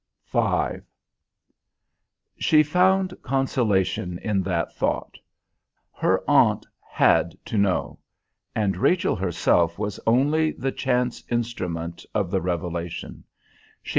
V She found consolation in that thought. Her aunt had to know and Rachel herself was only the chance instrument of the revelation.